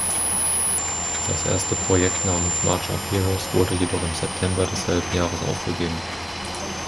Das erste Projekt namens „March of Heroes“ wurde jedoch im September desselben Jahres aufgegeben.